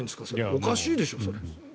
おかしいですよ、それ。